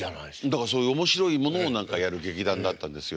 だからそういう面白いものを何かやる劇団だったんですよ。